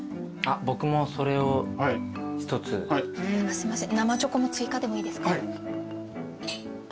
すいません。